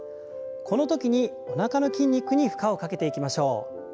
このときにおなかの筋肉に負荷をかけていきましょう。